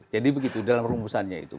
jadi begitu dalam rumpusannya itu